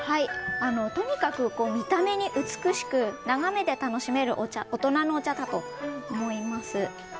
とにかく見た目に美しく眺めて楽しめる大人のお茶だと思います。